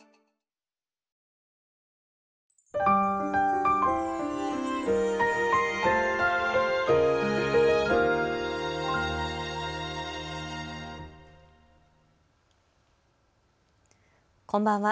こんばんは。